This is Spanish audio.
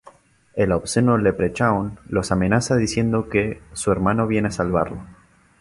El obsceno leprechaun los amenaza diciendo que su hermano viene a salvarlo.